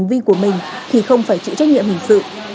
hành vi của mình thì không phải chịu trách nhiệm hình sự